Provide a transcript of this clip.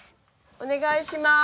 お願いします。